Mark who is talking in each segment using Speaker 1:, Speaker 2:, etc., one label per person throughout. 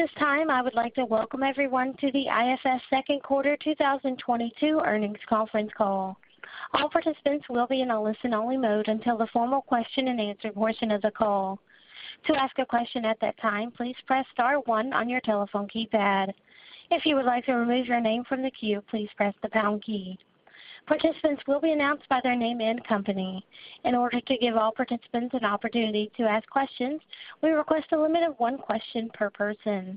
Speaker 1: At this time, I would like to welcome everyone to the IFF second quarter 2022 earnings conference call. All participants will be in a listen-only mode until the formal question-and-answer portion of the call. To ask a question at that time, please press star one on your telephone keypad. If you would like to remove your name from the queue, please press the pound key. Participants will be announced by their name and company. In order to give all participants an opportunity to ask questions, we request a limit of one question per person.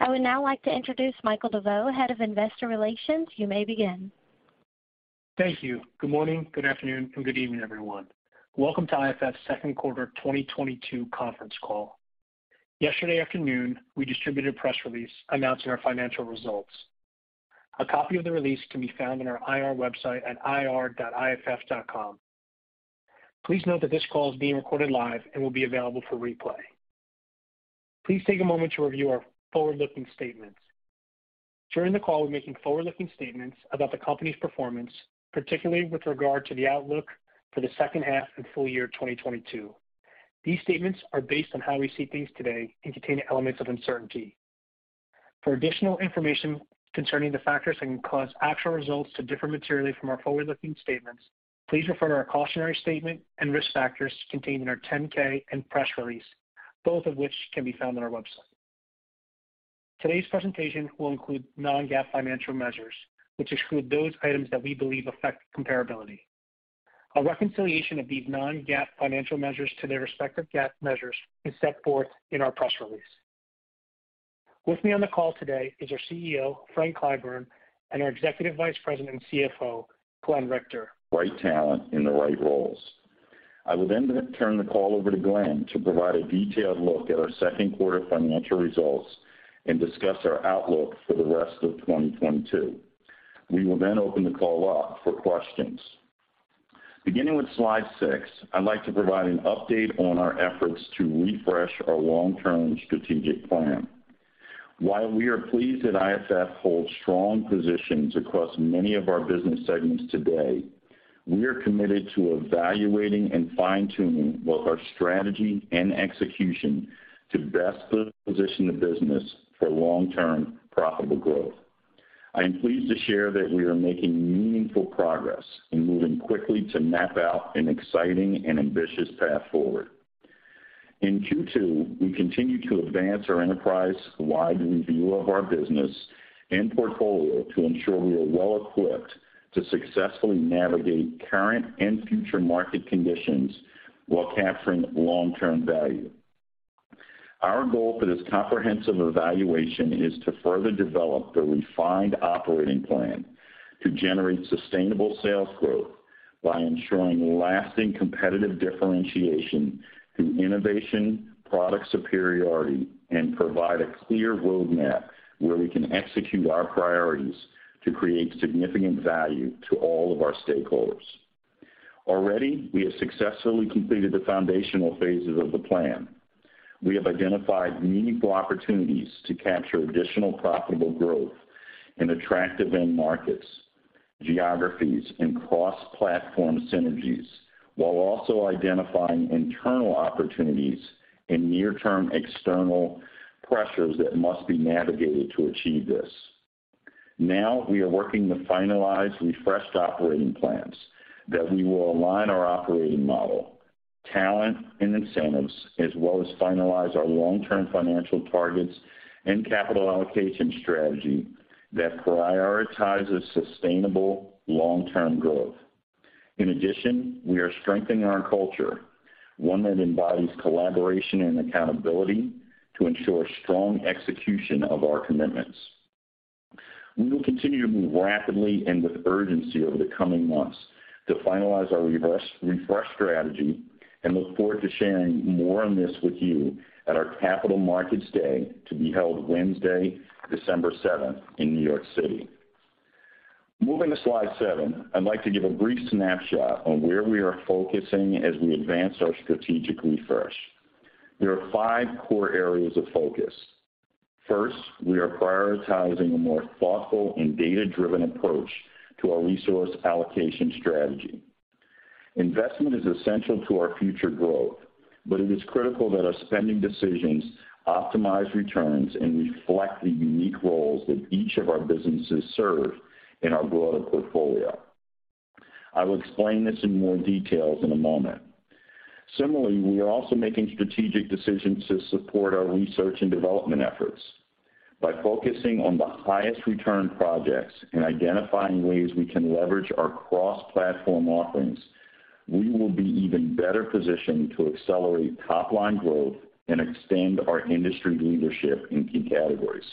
Speaker 1: I would now like to introduce Michael DeVeau, Head of Investor Relations. You may begin.
Speaker 2: Thank you. Good morning, good afternoon, and good evening, everyone. Welcome to IFF's second quarter 2022 conference call. Yesterday afternoon, we distributed a press release announcing our financial results. A copy of the release can be found on our IR website at ir.iff.com. Please note that this call is being recorded live and will be available for replay. Please take a moment to review our forward-looking statements. During the call, we're making forward-looking statements about the company's performance, particularly with regard to the outlook for the second half and full year 2022. These statements are based on how we see things today and contain elements of uncertainty. For additional information concerning the factors that can cause actual results to differ materially from our forward-looking statements, please refer to our cautionary statement and risk factors contained in our 10-K and press release, both of which can be found on our website. Today's presentation will include non-GAAP financial measures, which exclude those items that we believe affect comparability. A reconciliation of these non-GAAP financial measures to their respective GAAP measures is set forth in our press release. With me on the call today is our CEO, Frank Clyburn; and our Executive Vice President and CFO, Glenn Richter.
Speaker 3: Right talent in the right roles. I will then turn the call over to Glenn to provide a detailed look at our second quarter financial results and discuss our outlook for the rest of 2022. We will then open the call up for questions. Beginning with slide six, I'd like to provide an update on our efforts to refresh our long-term strategic plan. While we are pleased that IFF holds strong positions across many of our business segments today, we are committed to evaluating and fine-tuning both our strategy and execution to best position the business for long-term profitable growth. I am pleased to share that we are making meaningful progress in moving quickly to map out an exciting and ambitious path forward. In Q2, we continued to advance our enterprise-wide review of our business and portfolio to ensure we are well-equipped to successfully navigate current and future market conditions while capturing long-term value. Our goal for this comprehensive evaluation is to further develop the refined operating plan to generate sustainable sales growth by ensuring lasting competitive differentiation through innovation, product superiority, and provide a clear roadmap where we can execute our priorities to create significant value to all of our stakeholders. Already, we have successfully completed the foundational phases of the plan. We have identified meaningful opportunities to capture additional profitable growth in attractive end markets, geographies, and cross-platform synergies while also identifying internal opportunities and near-term external pressures that must be navigated to achieve this. Now we are working to finalize refreshed operating plans that we will align our operating model, talent, and incentives, as well as finalize our long-term financial targets and capital allocation strategy that prioritizes sustainable long-term growth. In addition, we are strengthening our culture, one that embodies collaboration and accountability to ensure strong execution of our commitments. We will continue to move rapidly and with urgency over the coming months to finalize our refresh strategy and look forward to sharing more on this with you at our Capital Markets Day to be held Wednesday, December 7, in New York City. Moving to slide seven, I'd like to give a brief snapshot on where we are focusing as we advance our strategic refresh. There are five core areas of focus. First, we are prioritizing a more thoughtful and data-driven approach to our resource allocation strategy. Investment is essential to our future growth, but it is critical that our spending decisions optimize returns and reflect the unique roles that each of our businesses serve in our broader portfolio. I will explain this in more details in a moment. Similarly, we are also making strategic decisions to support our research and development efforts. By focusing on the highest return projects and identifying ways we can leverage our cross-platform offerings, we will be even better positioned to accelerate top-line growth and extend our industry leadership in key categories.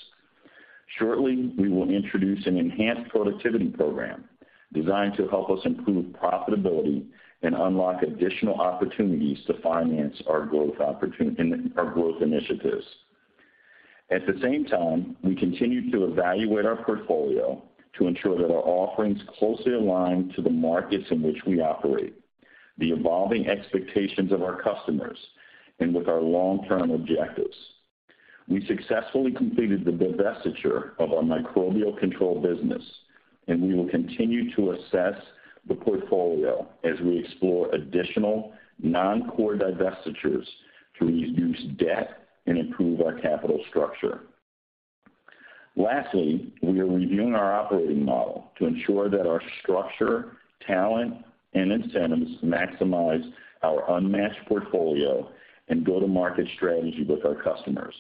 Speaker 3: Shortly, we will introduce an enhanced productivity program designed to help us improve profitability and unlock additional opportunities to finance our growth in our growth initiatives. At the same time, we continue to evaluate our portfolio to ensure that our offerings closely align to the markets in which we operate, the evolving expectations of our customers, and with our long-term objectives. We successfully completed the divestiture of our Microbial Control business. We will continue to assess the portfolio as we explore additional non-core divestitures to reduce debt and improve our capital structure. Lastly, we are reviewing our operating model to ensure that our structure, talent, and incentives maximize our unmatched portfolio and go-to-market strategy with our customers.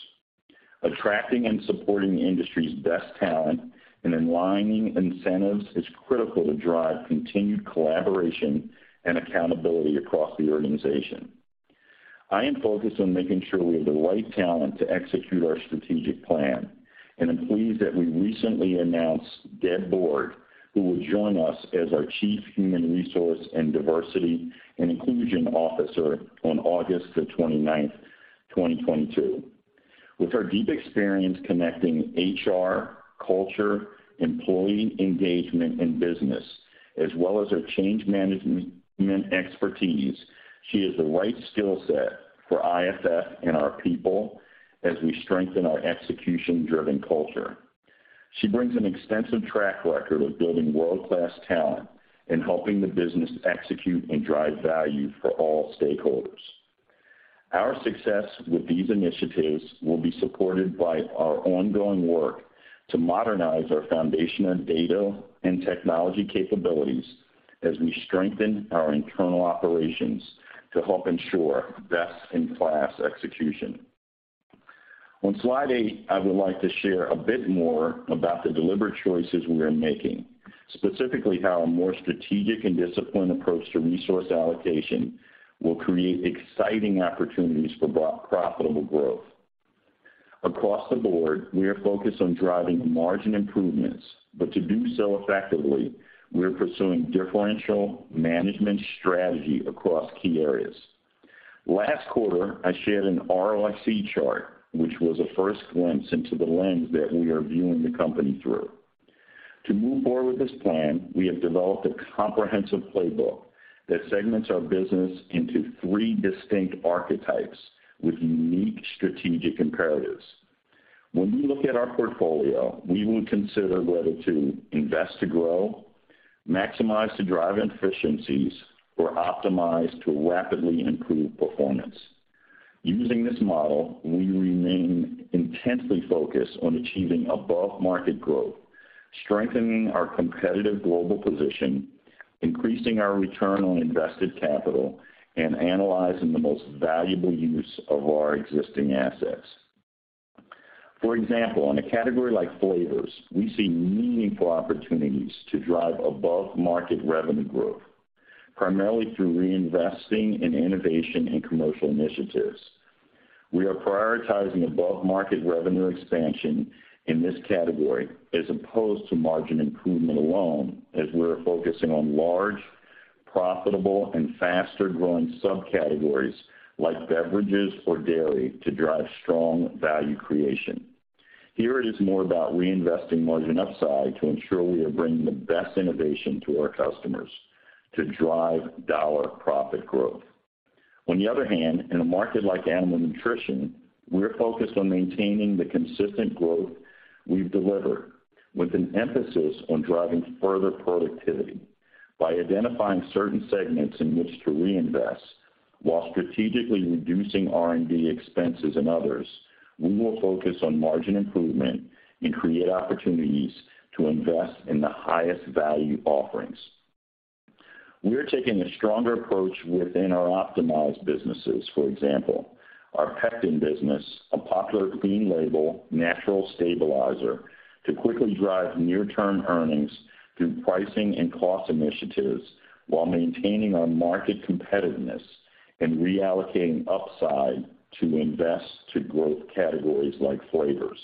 Speaker 3: Attracting and supporting the industry's best talent and aligning incentives is critical to drive continued collaboration and accountability across the organization. I am focused on making sure we have the right talent to execute our strategic plan, and I'm pleased that we recently announced Deb Borg, who will join us as our Chief Human Resource and Diversity and Inclusion Officer on August 29th, 2022. With her deep experience connecting HR, culture, employee engagement, and business, as well as her change management expertise, she is the right skill set for IFF and our people as we strengthen our execution-driven culture. She brings an extensive track record of building world-class talent and helping the business execute and drive value for all stakeholders. Our success with these initiatives will be supported by our ongoing work to modernize our foundational data and technology capabilities as we strengthen our internal operations to help ensure best-in-class execution. On slide eight, I would like to share a bit more about the deliberate choices we are making, specifically how a more strategic and disciplined approach to resource allocation will create exciting opportunities for profitable growth. Across the board, we are focused on driving margin improvements, but to do so effectively, we are pursuing differential management strategy across key areas. Last quarter, I shared an ROIC chart, which was a first glimpse into the lens that we are viewing the company through. To move forward with this plan, we have developed a comprehensive playbook that segments our business into three distinct archetypes with unique strategic imperatives. When we look at our portfolio, we will consider whether to invest to grow, maximize to drive efficiencies, or optimize to rapidly improve performance. Using this model, we remain intensely focused on achieving above-market growth, strengthening our competitive global position, increasing our return on invested capital, and analyzing the most valuable use of our existing assets. For example, in a category like flavors, we see meaningful opportunities to drive above-market revenue growth, primarily through reinvesting in innovation and commercial initiatives. We are prioritizing above-market revenue expansion in this category as opposed to margin improvement alone, as we're focusing on large, profitable, and faster-growing subcategories like beverages or dairy to drive strong value creation. Here, it is more about reinvesting margin upside to ensure we are bringing the best innovation to our customers to drive dollar profit growth. On the other hand, in a market like Animal Nutrition, we're focused on maintaining the consistent growth we've delivered with an emphasis on driving further productivity. By identifying certain segments in which to reinvest while strategically reducing R&D expenses in others, we will focus on margin improvement and create opportunities to invest in the highest value offerings. We're taking a stronger approach within our optimized businesses. For example, our pectin business, a popular clean-label natural stabilizer, to quickly drive near-term earnings through pricing and cost initiatives while maintaining our market competitiveness and reallocating upside to invest to growth categories like flavors.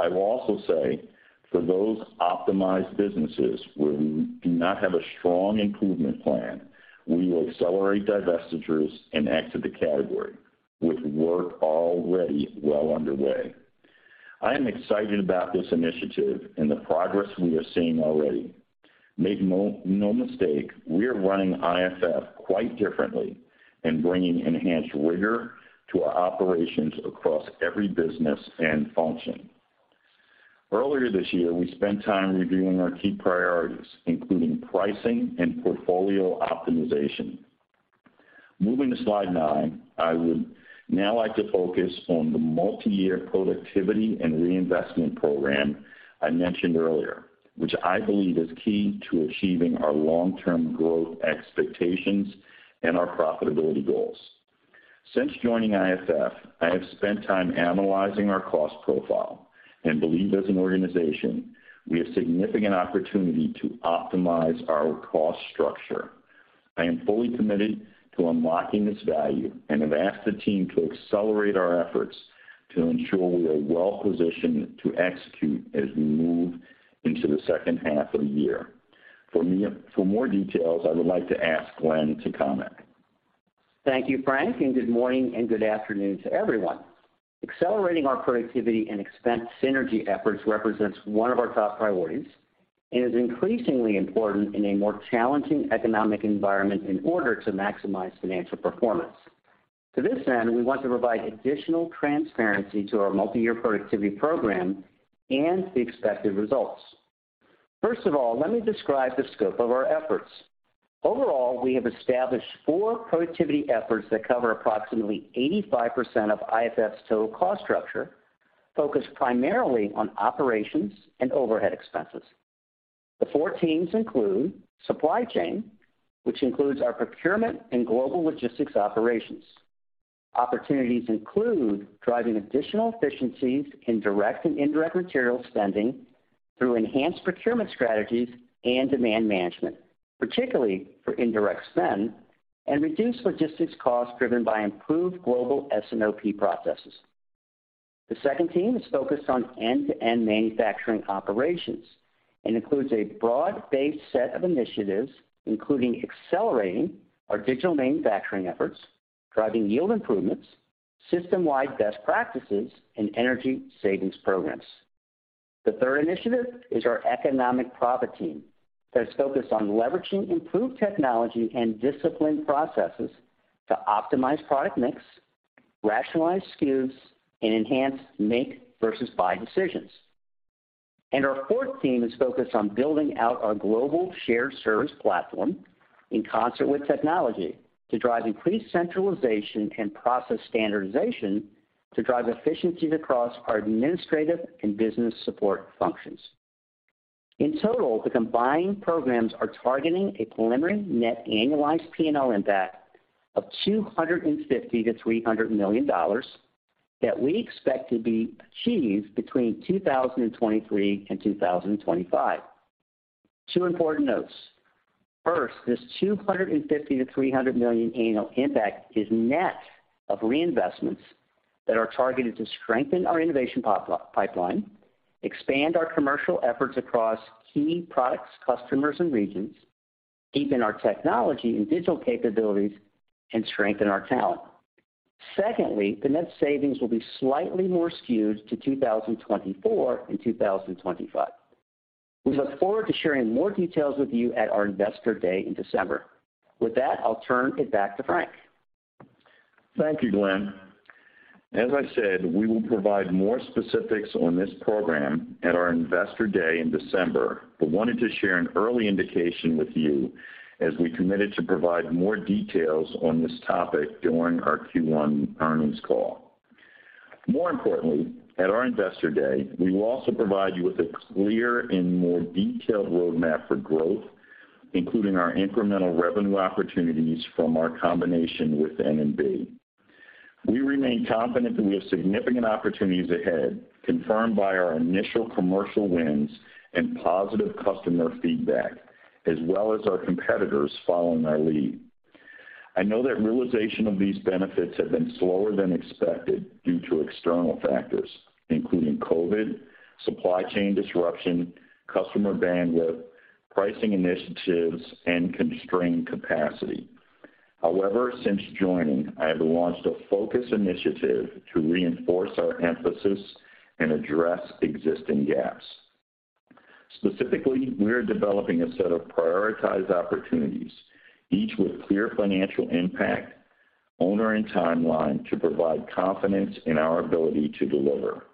Speaker 3: I will also say for those optimized businesses where we do not have a strong improvement plan, we will accelerate divestitures and exit the category with work already well underway. I am excited about this initiative and the progress we are seeing already. Make no mistake, we are running IFF quite differently and bringing enhanced rigor to our operations across every business and function. Earlier this year, we spent time reviewing our key priorities, including pricing and portfolio optimization. Moving to slide nine, I would now like to focus on the multiyear productivity and reinvestment program I mentioned earlier, which I believe is key to achieving our long-term growth expectations and our profitability goals. Since joining IFF, I have spent time analyzing our cost profile and believe as an organization, we have significant opportunity to optimize our cost structure. I am fully committed to unlocking this value and have asked the team to accelerate our efforts to ensure we are well-positioned to execute as we move into the second half of the year. For more details, I would like to ask Glenn to comment.
Speaker 4: Thank you, Frank, and good morning and good afternoon to everyone. Accelerating our productivity and expense synergy efforts represents one of our top priorities and is increasingly important in a more challenging economic environment in order to maximize financial performance. To this end, we want to provide additional transparency to our multi-year productivity program and the expected results. First of all, let me describe the scope of our efforts. Overall, we have established four productivity efforts that cover approximately 85% of IFF's total cost structure, focused primarily on operations and overhead expenses. The four teams include supply chain, which includes our procurement and global logistics operations. Opportunities include driving additional efficiencies in direct and indirect material spending through enhanced procurement strategies and demand management, particularly for indirect spend, and reduced logistics costs driven by improved global S&OP processes. The second team is focused on end-to-end manufacturing operations and includes a broad-based set of initiatives, including accelerating our digital manufacturing efforts, driving yield improvements, system-wide best practices, and energy savings programs. The third initiative is our economic profit team that is focused on leveraging improved technology and disciplined processes to optimize product mix, rationalize SKUs, and enhance make versus buy decisions. Our fourth team is focused on building out our global shared service platform in concert with technology to drive increased centralization and process standardization to drive efficiencies across our administrative and business support functions. In total, the combined programs are targeting a preliminary net annualized P&L impact of $250 million-$300 million that we expect to be achieved between 2023 and 2025. Two important notes. First, this $250 million-$300 million annual impact is net of reinvestments that are targeted to strengthen our innovation pipeline, expand our commercial efforts across key products, customers, and regions, deepen our technology and digital capabilities, and strengthen our talent. Secondly, the net savings will be slightly more skewed to 2024 and 2025. We look forward to sharing more details with you at our Investor Day in December. With that, I'll turn it back to Frank.
Speaker 3: Thank you, Glenn. As I said, we will provide more specifics on this program at our Investor Day in December. Wanted to share an early indication with you as we committed to provide more details on this topic during our Q1 earnings call. More importantly, at our Investor Day, we will also provide you with a clear and more detailed roadmap for growth, including our incremental revenue opportunities from our combination with N&B. We remain confident that we have significant opportunities ahead, confirmed by our initial commercial wins and positive customer feedback, as well as our competitors following our lead. I know that realization of these benefits have been slower than expected due to external factors, including COVID, supply chain disruption, customer bandwidth, pricing initiatives, and constrained capacity. However, since joining, I have launched a focus initiative to reinforce our emphasis and address existing gaps. Specifically, we're developing a set of prioritized opportunities, each with clear financial impact, owner, and timeline to provide confidence in our ability to deliver.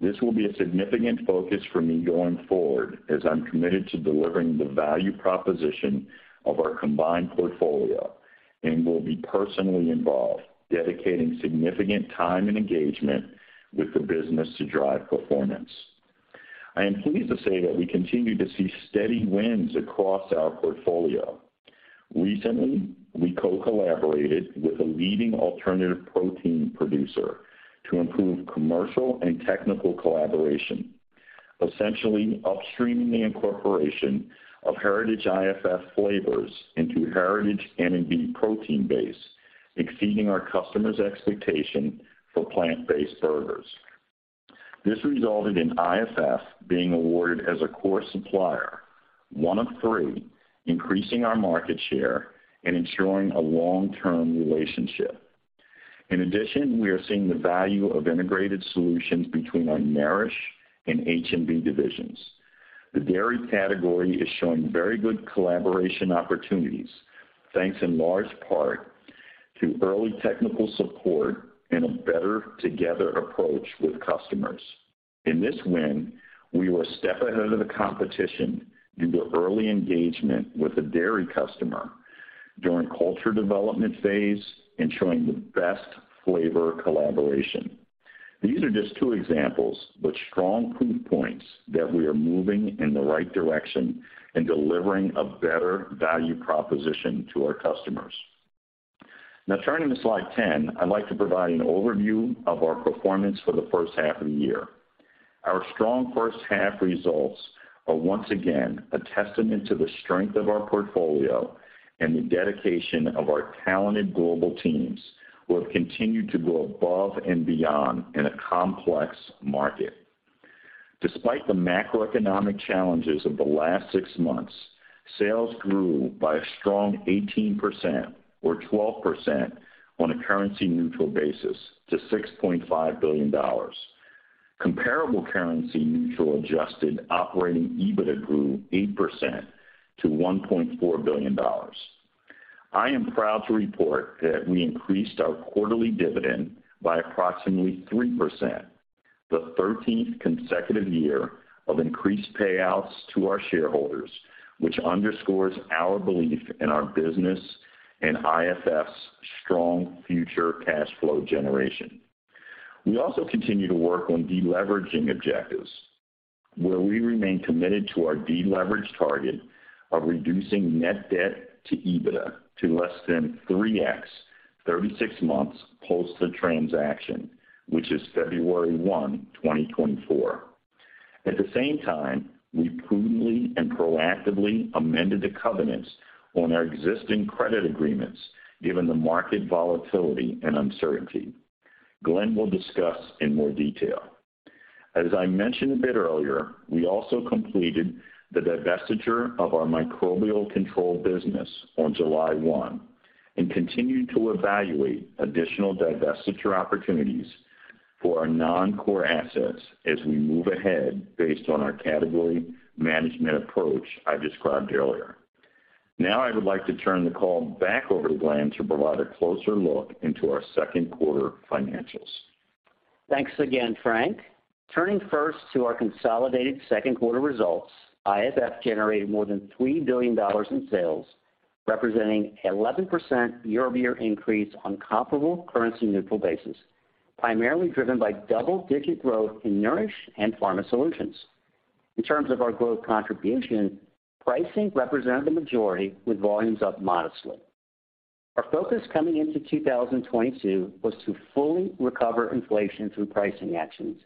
Speaker 3: This will be a significant focus for me going forward as I'm committed to delivering the value proposition of our combined portfolio and will be personally involved, dedicating significant time and engagement with the business to drive performance. I am pleased to say that we continue to see steady wins across our portfolio. Recently, we co-collaborated with a leading alternative protein producer to improve commercial and technical collaboration, essentially upstreaming the incorporation of Heritage IFF flavors into Heritage N&B protein base, exceeding our customer's expectation for plant-based burgers. This resulted in IFF being awarded as a core supplier, one of three, increasing our market share and ensuring a long-term relationship. In addition, we are seeing the value of integrated solutions between our Nourish and H&B divisions. The dairy category is showing very good collaboration opportunities, thanks in large part to early technical support and a better together approach with customers. In this win, we were a step ahead of the competition due to early engagement with the dairy customer during culture development phase, ensuring the best flavor collaboration. These are just two examples, but strong proof points that we are moving in the right direction and delivering a better value proposition to our customers. Now turning to slide 10, I'd like to provide an overview of our performance for the first half of the year. Our strong first half results are once again a testament to the strength of our portfolio and the dedication of our talented global teams who have continued to go above and beyond in a complex market. Despite the macroeconomic challenges of the last six months, sales grew by a strong 18%, or 12% on a currency neutral basis, to $6.5 billion. Comparable currency neutral adjusted operating EBITDA grew 8% to $1.4 billion. I am proud to report that we increased our quarterly dividend by approximately 3%, the 13th consecutive year of increased payouts to our shareholders, which underscores our belief in our business and IFF's strong future cash flow generation. We also continue to work on deleveraging objectives, where we remain committed to our deleverage target of reducing net debt to EBITDA to less than 3x 36 months post the transaction, which is February 1, 2024. At the same time, we prudently and proactively amended the covenants on our existing credit agreements given the market volatility and uncertainty. Glenn will discuss in more detail. As I mentioned a bit earlier, we also completed the divestiture of our Microbial Control business on July 1 and continue to evaluate additional divestiture opportunities for our non-core assets as we move ahead based on our category management approach, I described earlier. Now I would like to turn the call back over to Glenn to provide a closer look into our second quarter financials.
Speaker 4: Thanks again, Frank. Turning first to our consolidated second quarter results, IFF generated more than $3 billion in sales, representing 11% year-over-year increase on comparable currency neutral basis, primarily driven by double-digit growth in Nourish and Pharma Solutions. In terms of our growth contribution, pricing represented the majority with volumes up modestly. Our focus coming into 2022 was to fully recover inflation through pricing actions,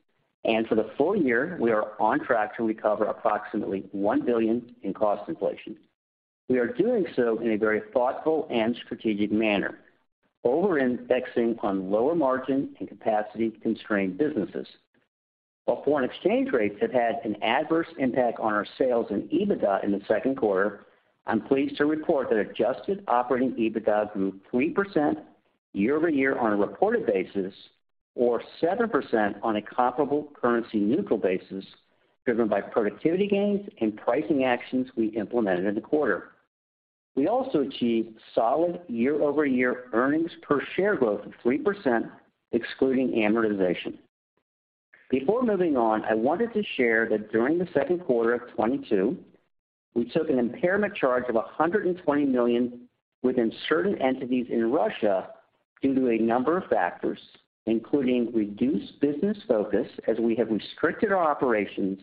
Speaker 4: and for the full year, we are on track to recover approximately $1 billion in cost inflation. We are doing so in a very thoughtful and strategic manner, over-indexing on lower margin and capacity-constrained businesses. While foreign exchange rates have had an adverse impact on our sales and EBITDA in the second quarter, I'm pleased to report that adjusted operating EBITDA grew 3% year-over-year on a reported basis or 7% on a comparable currency neutral basis, driven by productivity gains and pricing actions we implemented in the quarter. We also achieved solid year-over-year earnings per share growth of 3%, excluding amortization. Before moving on, I wanted to share that during the second quarter of 2022, we took an impairment charge of $120 million within certain entities in Russia due to a number of factors, including reduced business focus as we have restricted our operations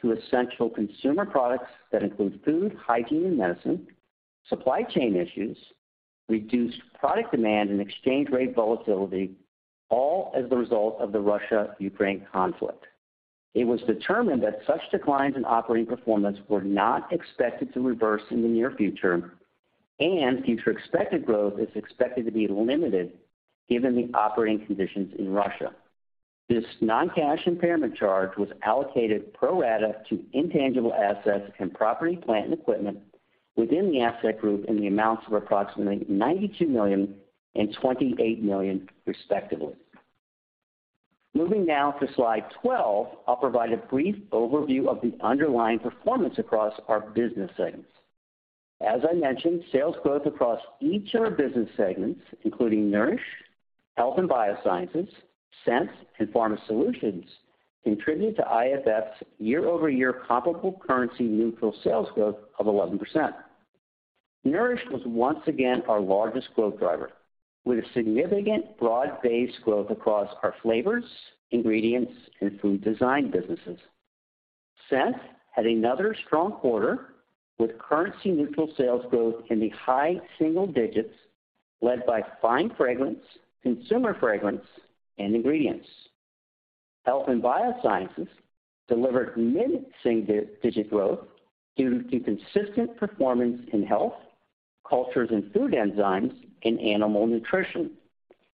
Speaker 4: to essential consumer products that include food, hygiene, and medicine, supply chain issues, reduced product demand and exchange rate volatility, all as a result of the Russia-Ukraine conflict. It was determined that such declines in operating performance were not expected to reverse in the near future, and future expected growth is expected to be limited given the operating conditions in Russia. This non-cash impairment charge was allocated pro rata to intangible assets and property, plant, and equipment within the asset group in the amounts of approximately $92 million and $28 million, respectively. Moving now to slide 12, I'll provide a brief overview of the underlying performance across our business segments. As I mentioned, sales growth across each of our business segments, including Nourish, Health & Biosciences, Scents and Pharma Solutions, contribute to IFF's year-over-year comparable currency neutral sales growth of 11%. Nourish was once again our largest growth driver with a significant broad-based growth across our flavors, ingredients, and food design businesses. Scent had another strong quarter with currency neutral sales growth in the high single digits% led by Fine Fragrance, Consumer Fragrance, and Ingredients. Health & Biosciences delivered mid-single-digit% growth due to consistent performance in Health, Cultures & Food Enzymes, and Animal Nutrition,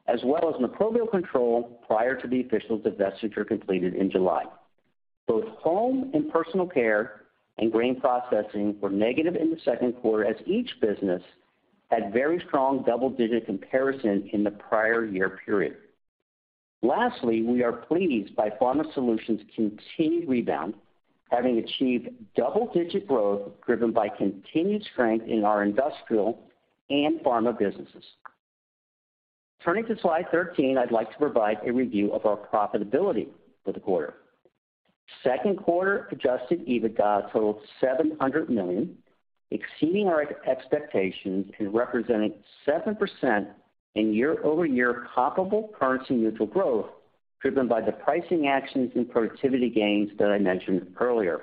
Speaker 4: as well as Microbial Control prior to the official divestiture completed in July. Both Home & Personal Care and Grain Processing were negative in the second quarter as each business had very strong double-digit% comparison in the prior year period. We are pleased by Pharma Solutions continued rebound, having achieved double-digit% growth driven by continued strength in our Industrial and Pharma businesses. Turning to slide 13, I'd like to provide a review of our profitability for the quarter. Second quarter Adjusted EBITDA totaled $700 million, exceeding our expectations and representing 7% year-over-year comparable currency neutral growth, driven by the pricing actions and productivity gains that I mentioned earlier.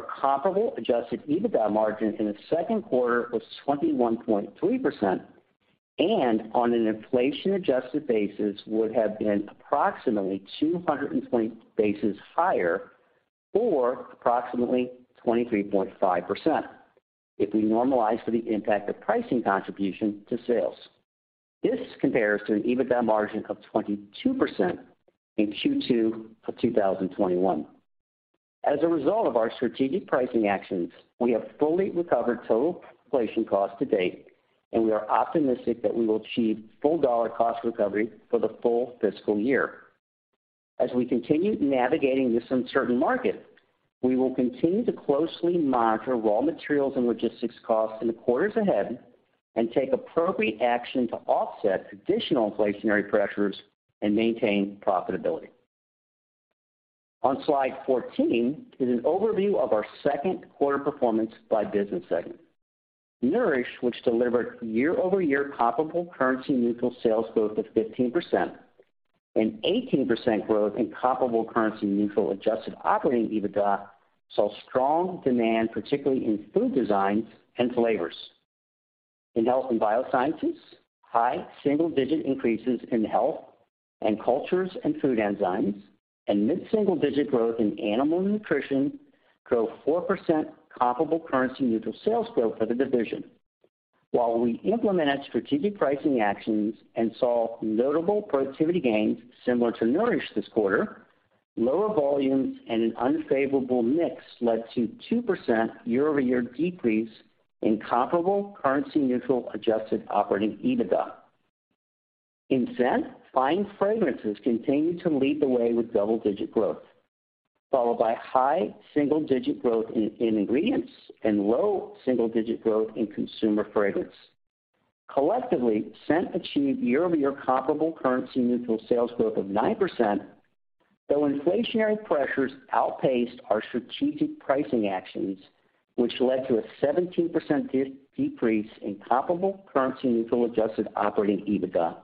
Speaker 4: Our comparable Adjusted EBITDA margin in the second quarter was 21.3% and on an inflation-adjusted basis would have been approximately 220 basis higher or approximately 23.5% if we normalize for the impact of pricing contribution to sales. This compares to an EBITDA margin of 22% in Q2 of 2021. As a result of our strategic pricing actions, we have fully recovered total inflation costs to date, and we are optimistic that we will achieve full dollar cost recovery for the full fiscal year. As we continue navigating this uncertain market, we will continue to closely monitor raw materials and logistics costs in the quarters ahead and take appropriate action to offset additional inflationary pressures and maintain profitability. On slide 14 is an overview of our second quarter performance by business segment. Nourish, which delivered year-over-year comparable currency neutral sales growth of 15% and 18% growth in comparable currency neutral adjusted operating EBITDA, saw strong demand, particularly in food designs and flavors. In Health & Biosciences, high single-digit increases in Health and Cultures & Food Enzymes and mid-single-digit growth in Animal Nutrition drove 4% comparable currency neutral sales growth for the division. While we implemented strategic pricing actions and saw notable productivity gains similar to Nourish this quarter, lower volumes and an unfavorable mix led to 2% year-over-year decrease in comparable currency neutral adjusted operating EBITDA. In Scent, Fine Fragrances continued to lead the way with double-digit growth, followed by high single-digit growth in ingredients and low single-digit growth in Consumer Fragrance. Collectively, Scent achieved year-over-year comparable currency neutral sales growth of 9%, though inflationary pressures outpaced our strategic pricing actions, which led to a 17% decrease in comparable currency neutral adjusted operating EBITDA.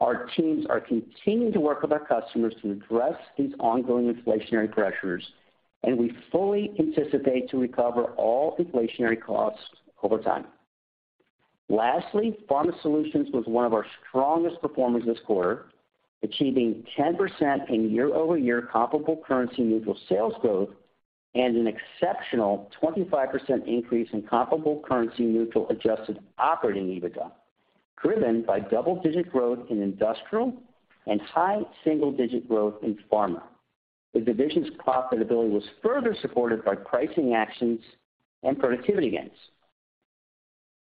Speaker 4: Our teams are continuing to work with our customers to address these ongoing inflationary pressures, and we fully anticipate to recover all inflationary costs over time. Lastly, Pharma Solutions was one of our strongest performers this quarter, achieving 10% in year-over-year comparable currency neutral sales growth and an exceptional 25% increase in comparable currency neutral adjusted operating EBITDA, driven by double-digit growth in industrial and high single-digit growth in pharma. The division's profitability was further supported by pricing actions and productivity gains.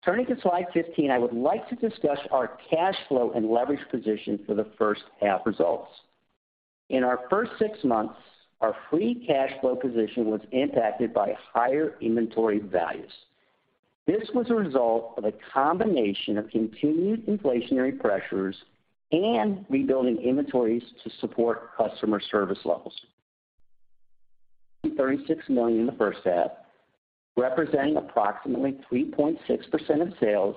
Speaker 4: Turning to slide 15, I would like to discuss our cash flow and leverage position for the first half results. In our first six months, our free cash flow position was impacted by higher inventory values. This was a result of a combination of continued inflationary pressures and rebuilding inventories to support customer service levels. $36 million in the first half, representing approximately 3.6% of sales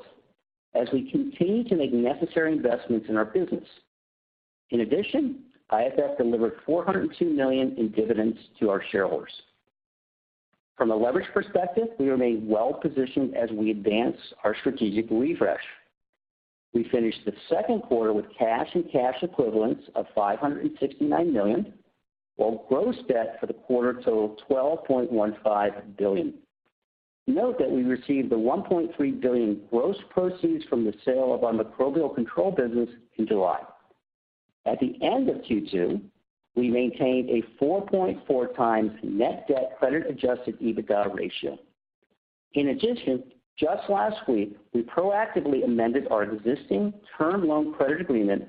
Speaker 4: as we continue to make necessary investments in our business. In addition, IFF delivered $402 million in dividends to our shareholders. From a leverage perspective, we remain well positioned as we advance our strategic refresh. We finished the second quarter with cash and cash equivalents of $569 million, while gross debt for the quarter totaled $12.15 billion. Note that we received the $1.3 billion gross proceeds from the sale of our Microbial Control business in July. At the end of Q2, we maintained a 4.4x net debt credit-Adjusted EBITDA ratio. In addition, just last week, we proactively amended our existing term loan credit agreement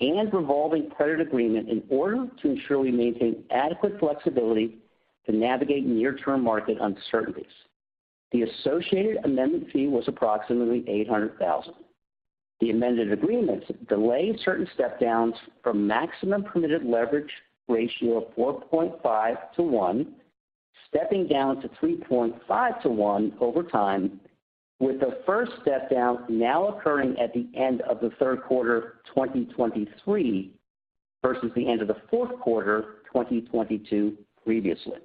Speaker 4: and revolving credit agreement in order to ensure we maintain adequate flexibility to navigate near-term market uncertainties. The associated amendment fee was approximately $800,000. The amended agreements delay certain step-downs from maximum permitted leverage ratio of 4.5:1, stepping down to 3.5:1 over time, with the first step-down now occurring at the end of the third quarter 2023 versus the end of the fourth quarter 2022 previously.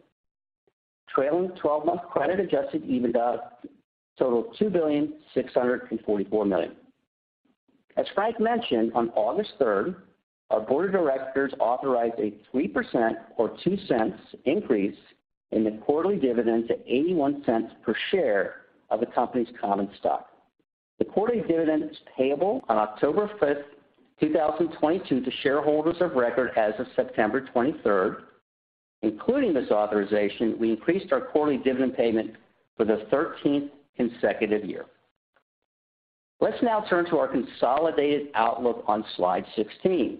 Speaker 4: Trailing 12-month credit-Adjusted EBITDA totaled $2.644 billion. As Frank mentioned, on August third, our board of directors authorized a 3% or $0.02 increase in the quarterly dividend to $0.81 per share of the company's common stock. The quarterly dividend is payable on October 5th, 2022 to shareholders of record as of September twenty-third. Including this authorization, we increased our quarterly dividend payment for the 13th consecutive year. Let's now turn to our consolidated outlook on slide 16.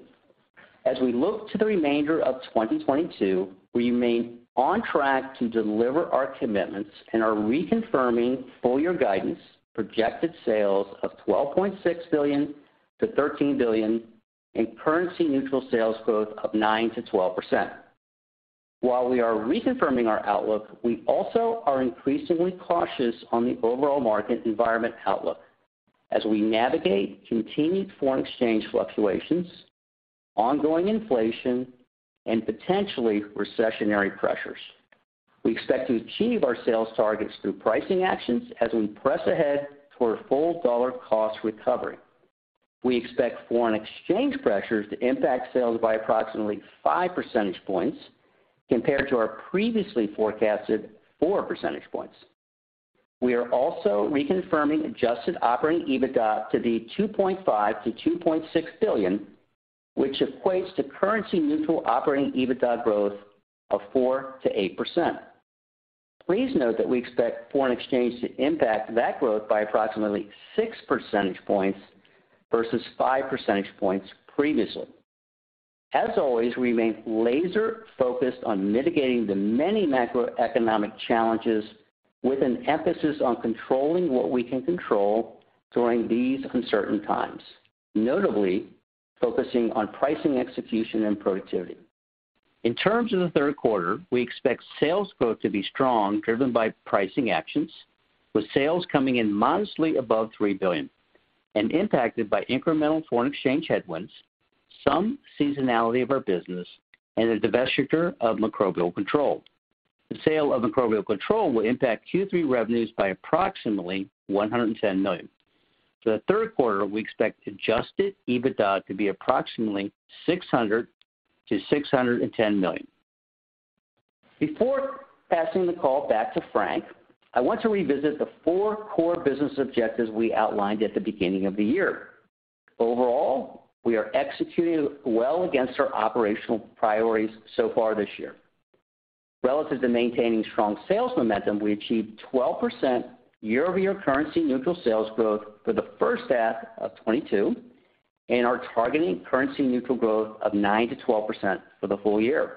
Speaker 4: As we look to the remainder of 2022, we remain on track to deliver our commitments and are reconfirming full year guidance, projected sales of $12.6 billion-$13 billion and currency neutral sales growth of 9%-12%. While we are reconfirming our outlook, we also are increasingly cautious on the overall market environment outlook as we navigate continued foreign exchange fluctuations, ongoing inflation, and potentially recessionary pressures. We expect to achieve our sales targets through pricing actions as we press ahead toward full dollar cost recovery. We expect foreign exchange pressures to impact sales by approximately 5 percentage points compared to our previously forecasted 4 percentage points. We are also reconfirming adjusted operating EBITDA to be $2.5 billion-$2.6 billion, which equates to currency neutral operating EBITDA growth of 4%-8%. Please note that we expect foreign exchange to impact that growth by approximately 6 percentage points versus 5 percentage points previously. As always, we remain laser-focused on mitigating the many macroeconomic challenges with an emphasis on controlling what we can control during these uncertain times, notably focusing on pricing execution and productivity. In terms of the third quarter, we expect sales growth to be strong, driven by pricing actions, with sales coming in modestly above $3 billion and impacted by incremental foreign exchange headwinds, some seasonality of our business, and the divestiture of Microbial Control. The sale of Microbial Control will impact Q3 revenues by approximately $110 million. For the third quarter, we expect Adjusted EBITDA to be approximately $600 million-$610 million. Before passing the call back to Frank, I want to revisit the four core business objectives we outlined at the beginning of the year. Overall, we are executing well against our operational priorities so far this year. Relative to maintaining strong sales momentum, we achieved 12% year-over-year currency neutral sales growth for the first half of 2022 and are targeting currency neutral growth of 9%-12% for the full year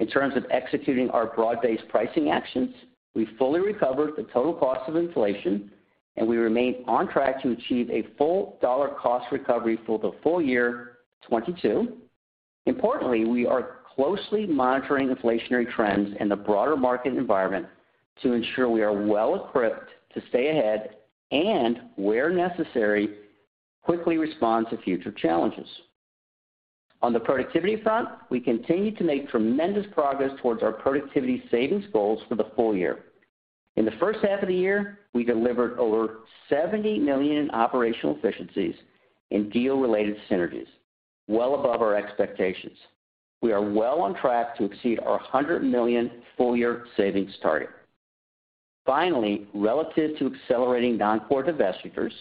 Speaker 4: 2022. In terms of executing our broad-based pricing actions, we fully recovered the total cost of inflation, and we remain on track to achieve a full dollar cost recovery for the full year 2022. Importantly, we are closely monitoring inflationary trends and the broader market environment to ensure we are well-equipped to stay ahead and, where necessary, quickly respond to future challenges. On the productivity front, we continue to make tremendous progress towards our productivity savings goals for the full year. In the first half of the year, we delivered over $70 million in operational efficiencies and deal-related synergies, well above our expectations. We are well on track to exceed our $100 million full-year savings target. Finally, relative to accelerating non-core divestitures,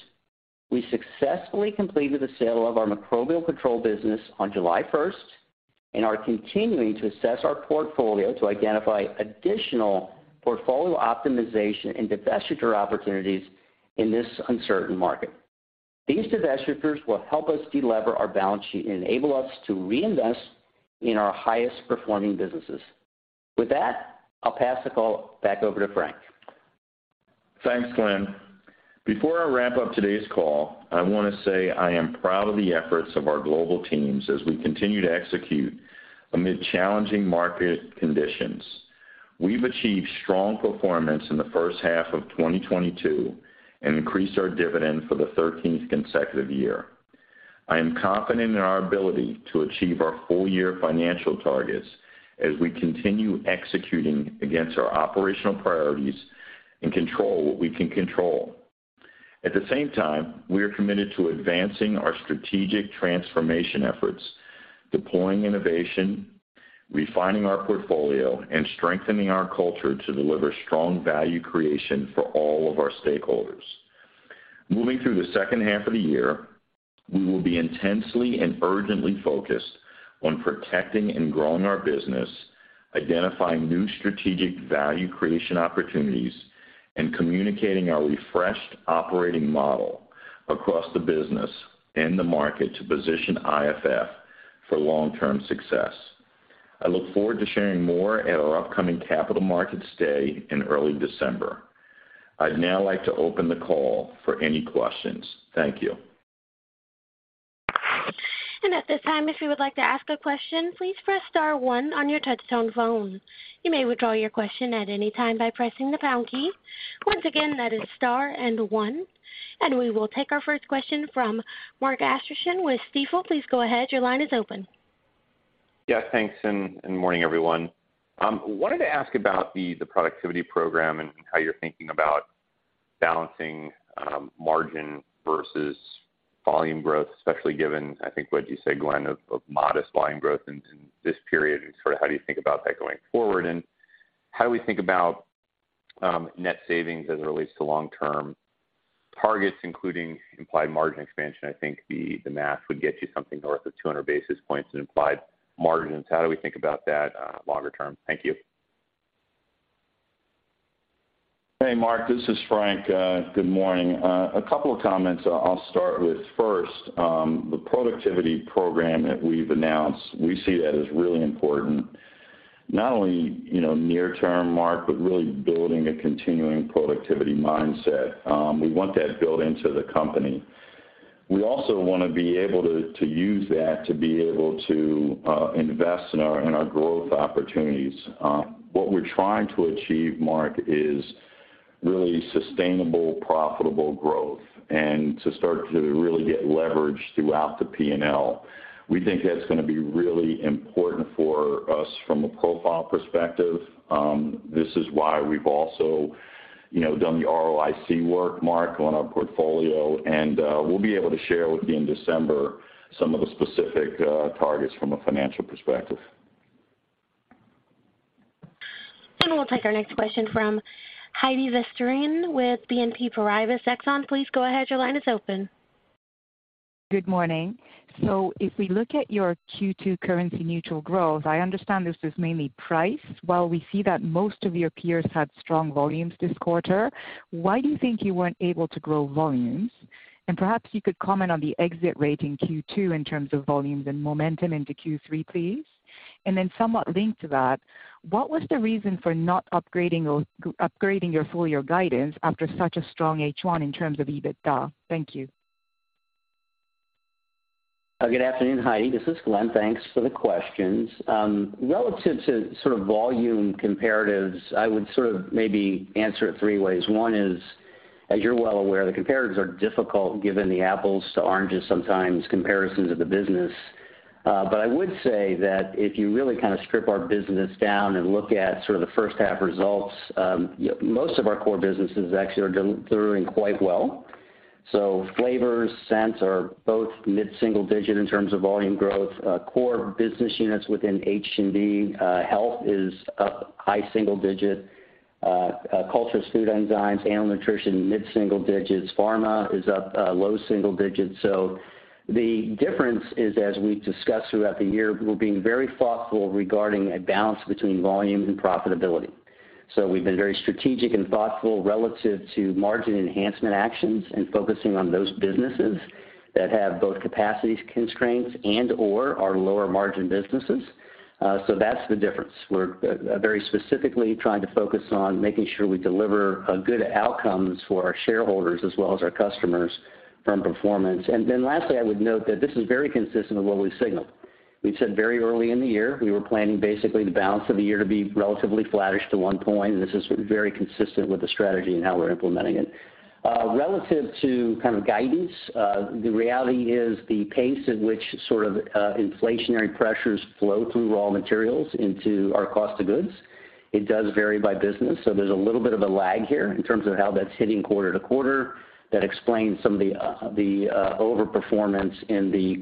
Speaker 4: we successfully completed the sale of our Microbial Control business on July first and are continuing to assess our portfolio to identify additional portfolio optimization and divestiture opportunities in this uncertain market. These divestitures will help us delever our balance sheet and enable us to reinvest in our highest-performing businesses. With that, I'll pass the call back over to Frank.
Speaker 3: Thanks, Glenn. Before I wrap up today's call, I want to say I am proud of the efforts of our global teams as we continue to execute amid challenging market conditions. We've achieved strong performance in the first half of 2022 and increased our dividend for the 13th consecutive year. I am confident in our ability to achieve our full-year financial targets as we continue executing against our operational priorities and control what we can control. At the same time, we are committed to advancing our strategic transformation efforts, deploying innovation, refining our portfolio, and strengthening our culture to deliver strong value creation for all of our stakeholders. Moving through the second half of the year, we will be intensely and urgently focused on protecting and growing our business, identifying new strategic value creation opportunities, and communicating our refreshed operating model across the business and the market to position IFF for long-term success. I look forward to sharing more at our upcoming Capital Markets Day in early December. I'd now like to open the call for any questions. Thank you.
Speaker 1: At this time, if you would like to ask a question, please press star one on your touchtone phone. You may withdraw your question at any time by pressing the pound key. Once again, that is star and one. We will take our first question from Mark Astrachan with Stifel. Please go ahead. Your line is open.
Speaker 5: Yeah, thanks and morning, everyone. Wanted to ask about the productivity program and how you're thinking about balancing margin versus volume growth, especially given, I think, what you said, Glenn, of modest volume growth in this period. Sort of how do you think about that going forward? How do we think about net savings as it relates to long-term targets, including implied margin expansion? I think the math would get you something north of 200 basis points in implied margins. How do we think about that longer term? Thank you.
Speaker 3: Hey, Mark, this is Frank. Good morning. A couple of comments I'll start with. First, the productivity program that we've announced, we see that as really important, not only, you know, near term, Mark, but really building a continuing productivity mindset. We want that built into the company. We also wanna be able to use that to invest in our growth opportunities. What we're trying to achieve, Mark, is really sustainable, profitable growth and to start to really get leverage throughout the P&L. We think that's gonna be really important for us from a profile perspective. This is why we've also, you know, done the ROIC work, Mark, on our portfolio, and we'll be able to share with you in December some of the specific targets from a financial perspective.
Speaker 1: We'll take our next question from Heidi Vesterinen with BNP Paribas Exane. Please go ahead. Your line is open.
Speaker 6: Good morning. If we look at your Q2 currency neutral growth, I understand this is mainly price. While we see that most of your peers had strong volumes this quarter, why do you think you weren't able to grow volumes? Perhaps you could comment on the exit rate in Q2 in terms of volumes and momentum into Q3, please. Somewhat linked to that, what was the reason for not upgrading your full year guidance after such a strong H1 in terms of EBITDA? Thank you.
Speaker 4: Good afternoon, Heidi. This is Glenn. Thanks for the questions. Relative to sort of volume comparatives, I would sort of maybe answer it three ways. One is, as you're well aware, the comparatives are difficult given the apples to oranges, sometimes comparisons of the business. But I would say that if you really kind of strip our business down and look at sort of the first-half results, most of our core businesses actually are doing quite well. Flavors, Scents are both mid-single-digit in terms of volume growth. Core business units within H&B, health is up high single-digit. Cultures & Food Enzymes, Animal Nutrition, mid-single digits. Pharma is up, low single digits. The difference is, as we've discussed throughout the year, we're being very thoughtful regarding a balance between volume and profitability. We've been very strategic and thoughtful relative to margin enhancement actions and focusing on those businesses that have both capacity constraints and/or are lower margin businesses. That's the difference. We're very specifically trying to focus on making sure we deliver good outcomes for our shareholders as well as our customers from performance. Then lastly, I would note that this is very consistent with what we signaled. We said very early in the year, we were planning basically the balance of the year to be relatively flattish to one point, and this is very consistent with the strategy and how we're implementing it. Relative to kind of guidance, the reality is the pace at which sort of inflationary pressures flow through raw materials into our cost of goods, it does vary by business. There's a little bit of a lag here in terms of how that's hitting quarter to quarter. That explains some of the overperformance in the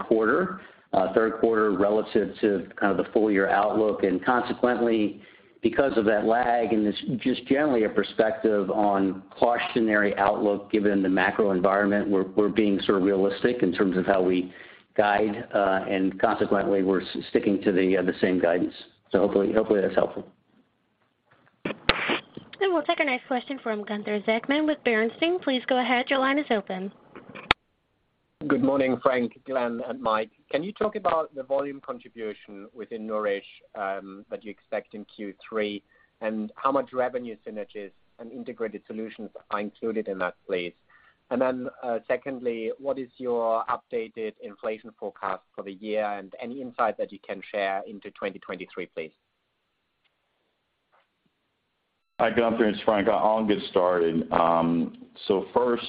Speaker 4: third quarter relative to kind of the full year outlook. And consequently, because of that lag, and it's just generally a perspective on cautionary outlook, given the macro environment, we're being sort of realistic in terms of how we guide, and consequently, we're sticking to the same guidance. Hopefully that's helpful.
Speaker 1: We'll take our next question from Gunther Zechmann with Bernstein. Please go ahead. Your line is open.
Speaker 7: Good morning, Frank, Glenn, and Mike. Can you talk about the volume contribution within Nourish, that you expect in Q3, and how much revenue synergies and integrated solutions are included in that, please? Secondly, what is your updated inflation forecast for the year and any insight that you can share into 2023, please?
Speaker 3: Hi, Gunther, it's Frank. I'll get started. First,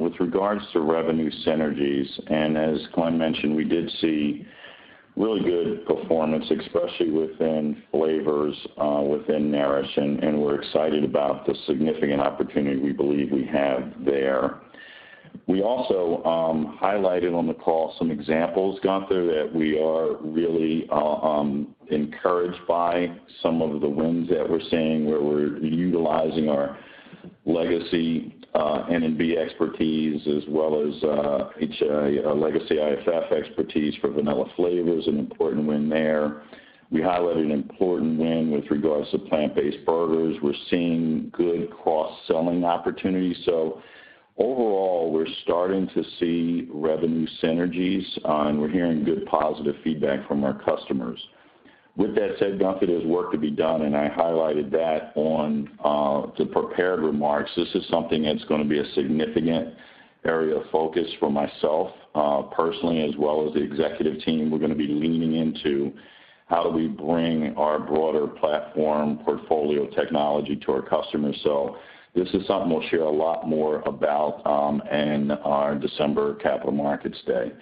Speaker 3: with regards to revenue synergies, and as Glenn mentioned, we did see really good performance, especially within flavors, within Nourish, and we're excited about the significant opportunity we believe we have there. We also highlighted on the call some examples, Gunther, that we are really encouraged by some of the wins that we're seeing, where we're utilizing our legacy N&B expertise as well as legacy IFF expertise for vanilla flavors, an important win there. We highlighted an important win with regards to plant-based burgers. We're seeing good cross selling opportunities. Overall, we're starting to see revenue synergies, and we're hearing good positive feedback from our customers. With that said, Gunther, there's work to be done, and I highlighted that on the prepared remarks. This is something that's gonna be a significant area of focus for myself, personally as well as the executive team. We're gonna be leaning into how do we bring our broader platform portfolio technology to our customers. This is something we'll share a lot more about, in our December Capital Markets Day.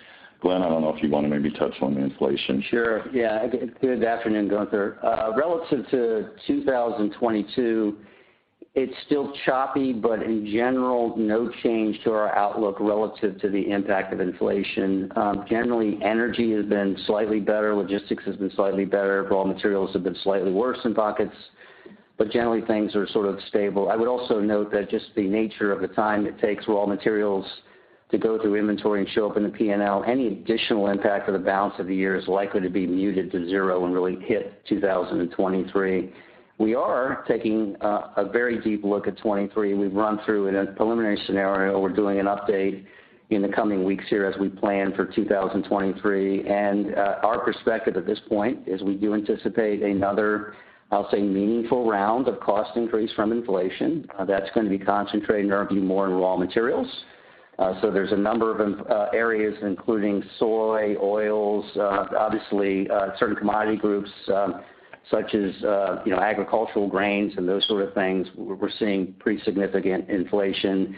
Speaker 3: Glenn, I don't know if you want to maybe touch on the inflation.
Speaker 4: Sure. Yeah. Good afternoon, Gunther. Relative to 2022, it's still choppy, but in general, no change to our outlook relative to the impact of inflation. Generally, energy has been slightly better, logistics has been slightly better, raw materials have been slightly worse in pockets, but generally, things are sort of stable. I would also note that just the nature of the time it takes raw materials to go through inventory and show up in the P&L, any additional impact for the balance of the year is likely to be muted to zero and really hit 2023. We are taking a very deep look at 2023. We've run through in a preliminary scenario. We're doing an update in the coming weeks here as we plan for 2023. Our perspective at this point is we do anticipate another, I'll say, meaningful round of cost increase from inflation. That's gonna be concentrated and gonna be more in raw materials. There's a number of areas, including soy, oils, obviously, certain commodity groups, such as, you know, agricultural grains and those sort of things. We're seeing pretty significant inflation.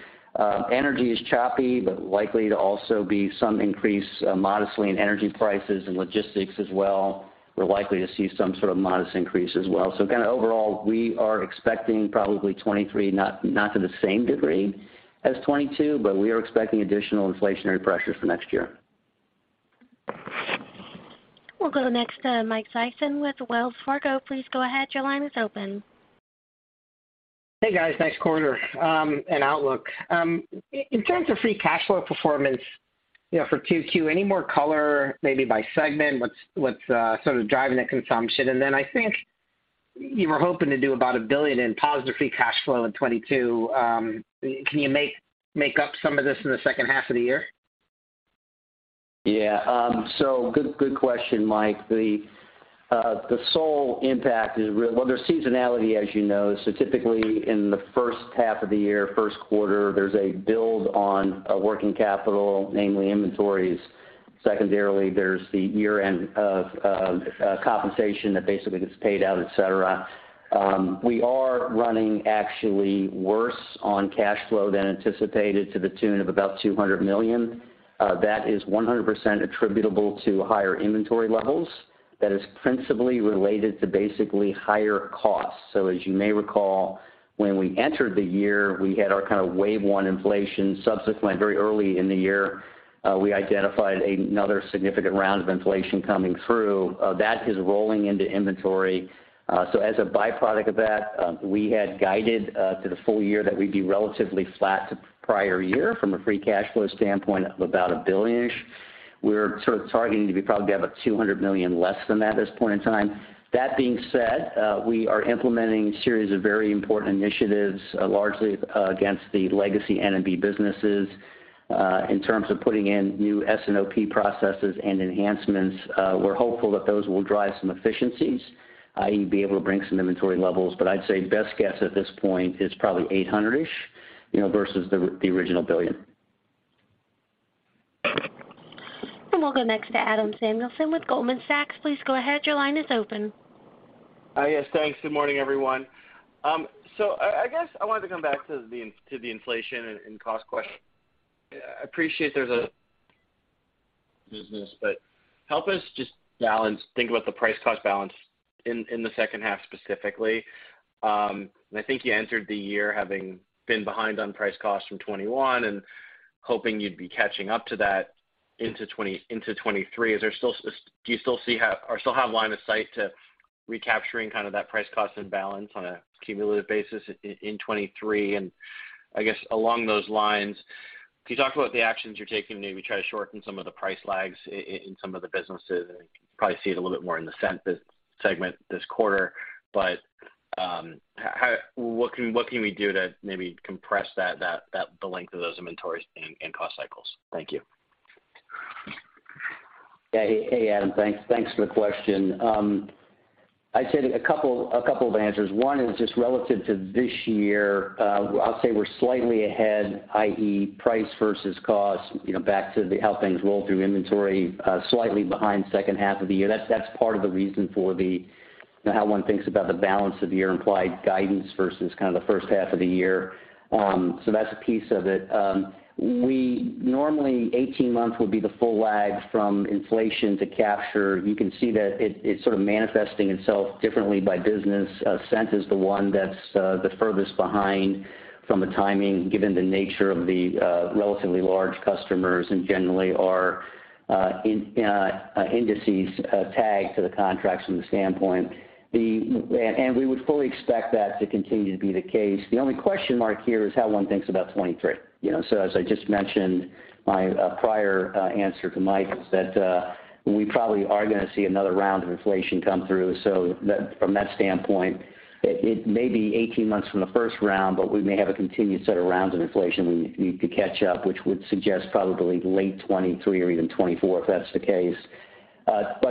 Speaker 4: Energy is choppy, but likely to also be some increase modestly in energy prices and logistics as well. We're likely to see some sort of modest increase as well. Kind of overall, we are expecting probably 2023, not to the same degree as 2022, but we are expecting additional inflationary pressure for next year.
Speaker 1: We'll go next to Mike Sison with Wells Fargo. Please go ahead. Your line is open.
Speaker 8: Hey, guys. Nice quarter, and outlook. In terms of free cash flow performance, you know, for Q2, any more color maybe by segment, what's sort of driving the consumption? Then I think you were hoping to do about $1 billion in positive free cash flow in 2022. Can you make up some of this in the second half of the year?
Speaker 4: Yeah. Good question, Mike. Well, there's seasonality as you know, so typically in the first half of the year, first quarter, there's a build on working capital, namely inventories. Secondarily, there's the year-end of compensation that basically gets paid out, et cetera. We are running actually worse on cash flow than anticipated to the tune of about $200 million. That is 100% attributable to higher inventory levels that is principally related to basically higher costs. As you may recall, when we entered the year, we had our kind of wave one inflation. Subsequently, very early in the year, we identified another significant round of inflation coming through, that is rolling into inventory. As a byproduct of that, we had guided to the full year that we'd be relatively flat to prior year from a free cash flow standpoint of about $1 billion-ish. We're sort of targeting to be probably about $200 million less than that at this point in time. That being said, we are implementing a series of very important initiatives, largely against the legacy N&B businesses, in terms of putting in new S&OP processes and enhancements. We're hopeful that those will drive some efficiencies, i.e., be able to bring some inventory levels. I'd say best guess at this point is probably $800 million-ish, you know, versus the original $1 billion.
Speaker 1: We'll go next to Adam Samuelson with Goldman Sachs. Please go ahead. Your line is open.
Speaker 9: Yes, thanks. Good morning, everyone. I guess I wanted to come back to the inflation and cost question. I appreciate there's a business, but help us just think about the price cost balance in the second half specifically. I think you entered the year having been behind on price cost from 2021 and hoping you'd be catching up to that into 2023. Do you still see a way or still have line of sight to recapturing kind of that price cost and balance on a cumulative basis in 2023? I guess along those lines, can you talk about the actions you're taking to maybe try to shorten some of the price lags in some of the businesses? Probably see it a little bit more in the Scent segment this quarter, but what can we do to maybe compress that the length of those inventories and cost cycles? Thank you.
Speaker 4: Yeah. Hey, Adam. Thanks. Thanks for the question. I'd say a couple of answers. One is just relative to this year, I'll say we're slightly ahead, i.e., price versus cost, you know, back to the how things roll through inventory, slightly behind second half of the year. That's part of the reason for the you know how one thinks about the balance of the year implied guidance versus kind of the first half of the year. So that's a piece of it. We normally eighteen months would be the full lag from inflation to capture. You can see that it's sort of manifesting itself differently by business. Scent is the one that's the furthest behind from a timing, given the nature of the relatively large customers and generally are in indices tagged to the contracts from the standpoint. We would fully expect that to continue to be the case. The only question mark here is how one thinks about 2023. You know, as I just mentioned, my prior answer to Mike is that we probably are gonna see another round of inflation come through. From that standpoint, it may be 18 months from the first round, but we may have a continued set of rounds of inflation we need to catch up, which would suggest probably late 2023 or even 2024 if that's the case.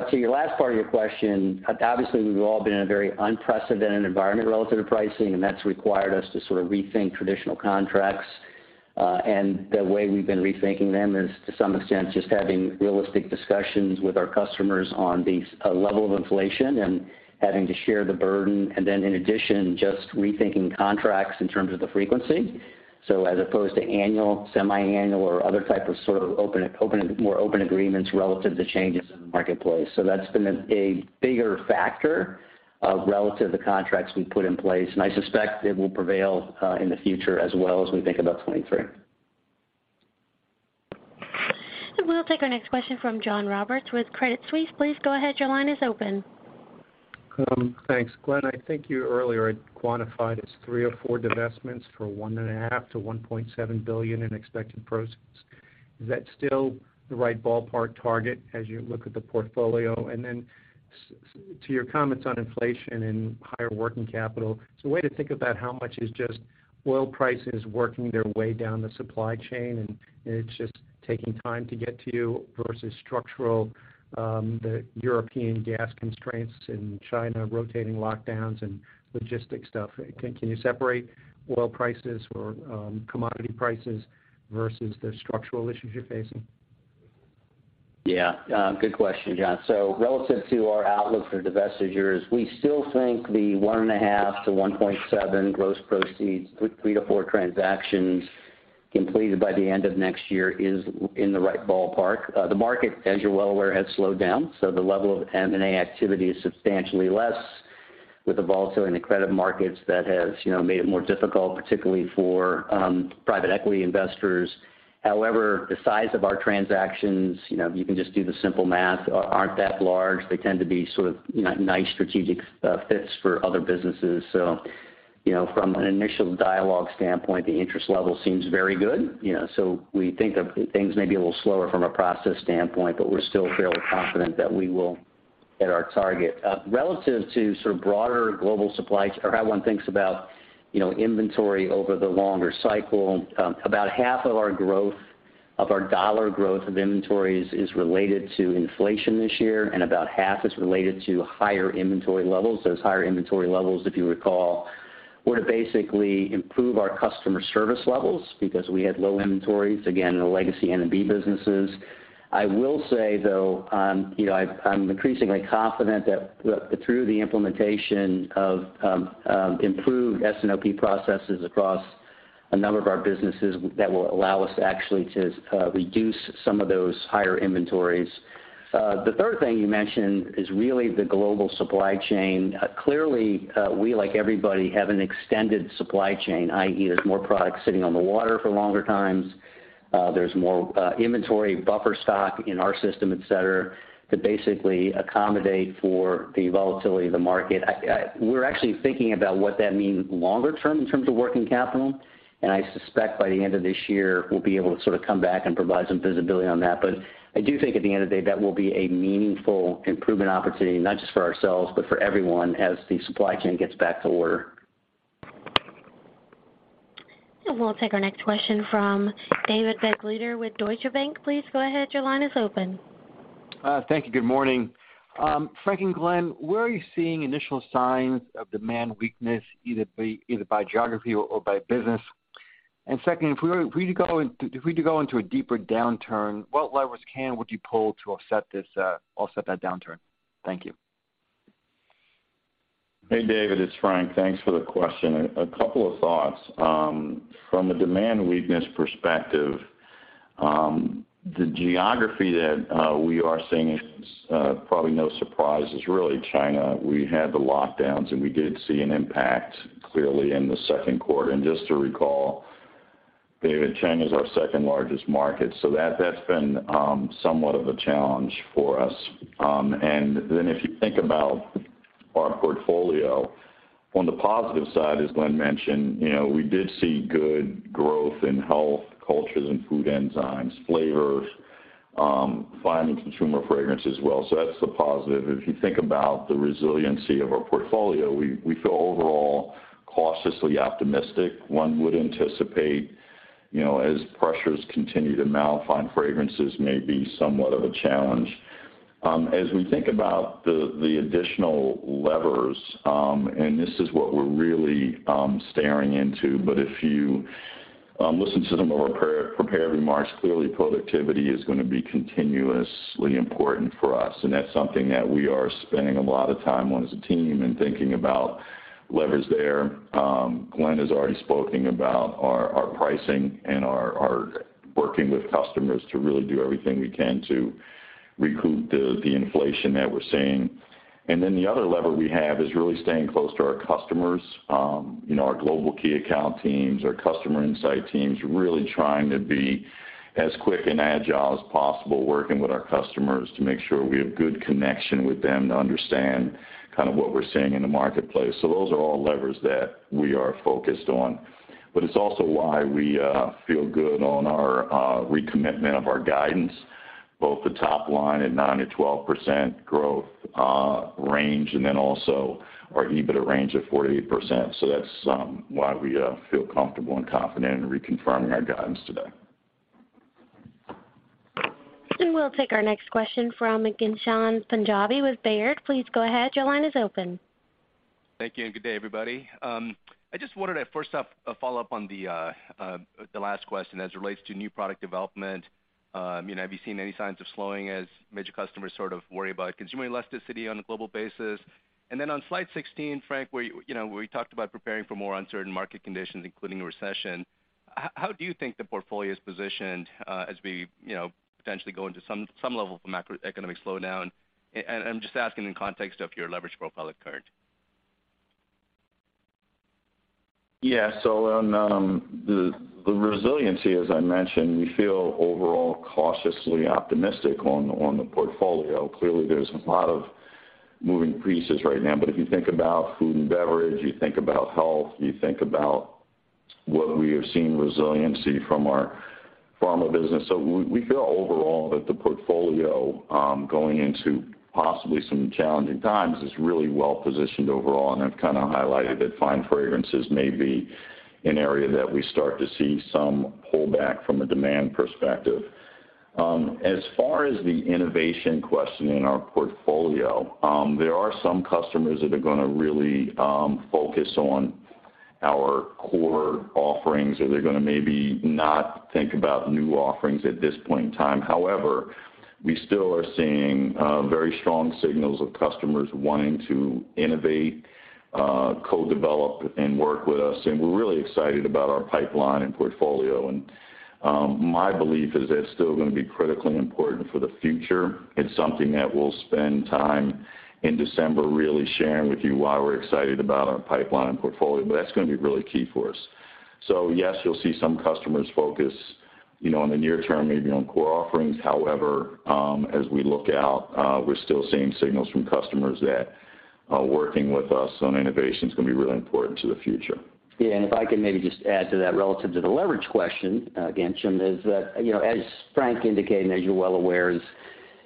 Speaker 4: To your last part of your question, obviously, we've all been in a very unprecedented environment relative to pricing, and that's required us to sort of rethink traditional contracts. The way we've been rethinking them is, to some extent, just having realistic discussions with our customers on this level of inflation and having to share the burden. In addition, just rethinking contracts in terms of the frequency. As opposed to annual, semi-annual, or other type of sort of open, more open agreements relative to changes in the marketplace. That's been a bigger factor relative to contracts we put in place, and I suspect it will prevail in the future as well as we think about 2023.
Speaker 1: We'll take our next question from John Roberts with Credit Suisse. Please go ahead. Your line is open.
Speaker 10: Thanks. Glenn, I think you earlier had quantified as three or four divestments for $1.5 billion-$1.7 billion in expected proceeds. Is that still the right ballpark target as you look at the portfolio? To your comments on inflation and higher working capital, way to think about how much is just oil prices working their way down the supply chain, and it's just taking time to get to you versus structural, the European gas constraints in China, rotating lockdowns and logistics stuff. Can you separate oil prices or commodity prices versus the structural issues you're facing?
Speaker 4: Yeah. Good question, John. Relative to our outlook for divestitures, we still think the $1.5-$1.7 gross proceeds with three to four transactions completed by the end of next year is in the right ballpark. The market, as you're well aware, has slowed down, so the level of M&A activity is substantially less. With the volatility in the credit markets that has, you know, made it more difficult, particularly for private equity investors. However, the size of our transactions, you know, you can just do the simple math, aren't that large. They tend to be sort of nice strategic fits for other businesses. From an initial dialogue standpoint, the interest level seems very good. We think things may be a little slower from a process standpoint, but we're still fairly confident that we will hit our target. Relative to sort of broader global supply or how one thinks about, you know, inventory over the longer cycle, about half of our dollar growth of inventories is related to inflation this year, and about half is related to higher inventory levels. Those higher inventory levels, if you recall, were to basically improve our customer service levels because we had low inventories, again, in the legacy N&B businesses. I will say, though, you know, I'm increasingly confident that through the implementation of improved S&OP processes across a number of our businesses that will allow us to actually reduce some of those higher inventories. The third thing you mentioned is really the global supply chain. Clearly, we, like everybody, have an extended supply chain, i.e., there's more products sitting on the water for longer times. There's more inventory buffer stock in our system, et cetera, to basically accommodate for the volatility of the market. We're actually thinking about what that means longer term in terms of working capital. I suspect by the end of this year, we'll be able to sort of come back and provide some visibility on that. I do think at the end of the day, that will be a meaningful improvement opportunity, not just for ourselves, but for everyone as the supply chain gets back to order.
Speaker 1: We'll take our next question from David Begleiter with Deutsche Bank. Please go ahead. Your line is open.
Speaker 11: Thank you. Good morning. Frank and Glenn, where are you seeing initial signs of demand weakness, either by geography or by business? Secondly, if we were to go into a deeper downturn, what levers would you pull to offset that downturn? Thank you.
Speaker 3: Hey, David, it's Frank. Thanks for the question. A couple of thoughts. From a demand weakness perspective, the geography that we are seeing is, probably no surprise, really China. We had the lockdowns, and we did see an impact clearly in the second quarter. Just to recall, David, China is our second largest market, so that's been somewhat of a challenge for us. If you think about our portfolio, on the positive side, as Glenn mentioned, you know, we did see good growth in Health, Cultures & Food Enzymes, Flavors, Fine and Consumer Fragrance as well. So that's the positive. If you think about the resiliency of our portfolio, we feel overall cautiously optimistic. One would anticipate, you know, as pressures continue to mount, Fine Fragrances may be somewhat of a challenge. As we think about the additional levers, and this is what we're really staring at, but if you listen to some of our pre-prepared remarks, clearly productivity is gonna be continuously important for us, and that's something that we are spending a lot of time on as a team and thinking about levers there. Glenn has already spoken about our pricing and our working with customers to really do everything we can to recoup the inflation that we're seeing. The other lever we have is really staying close to our customers, you know, our global key account teams, our customer insight teams, really trying to be as quick and agile as possible, working with our customers to make sure we have good connection with them to understand kind of what we're seeing in the marketplace. Those are all levers that we are focused on. It's also why we feel good on our recommitment of our guidance, both the top line at 9%-12% growth range, and then also our EBIT range of 48%. That's why we feel comfortable and confident in reconfirming our guidance today.
Speaker 1: We'll take our next question from Ghansham Panjabi with Baird. Please go ahead. Your line is open.
Speaker 12: Thank you, good day, everybody. I just wanted to first off, follow up on the last question as it relates to new product development. You know, have you seen any signs of slowing as major customers sort of worry about consumer elasticity on a global basis? Then on slide 16, Frank, where you talked about preparing for more uncertain market conditions, including a recession, how do you think the portfolio is positioned as we you know, potentially go into some level of macroeconomic slowdown? I'm just asking in context of your leverage profile at current.
Speaker 3: On the resiliency, as I mentioned, we feel overall cautiously optimistic on the portfolio. Clearly, there's a lot of moving pieces right now, but if you think about food and beverage, you think about health, you think about what we have seen resiliency from our pharma business. We feel overall that the portfolio going into possibly some challenging times is really well positioned overall. I've kinda highlighted that Fine Fragrances may be an area that we start to see some pullback from a demand perspective. As far as the innovation question in our portfolio, there are some customers that are gonna really focus on our core offerings, or they're gonna maybe not think about new offerings at this point in time. However, we still are seeing very strong signals of customers wanting to innovate, co-develop and work with us. We're really excited about our pipeline and portfolio. My belief is that's still gonna be critically important for the future. It's something that we'll spend time in December really sharing with you why we're excited about our pipeline and portfolio, but that's gonna be really key for us. Yes, you'll see some customers focus, you know, in the near term, maybe on core offerings. However, as we look out, we're still seeing signals from customers that working with us on innovation is gonna be really important to the future.
Speaker 4: Yeah. If I could maybe just add to that relative to the leverage question, again, Jim, is that, you know, as Frank indicated, as you're well aware,